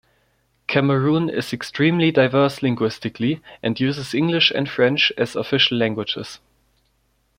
Cameroon is extremely diverse linguistically and uses English and French as official languages.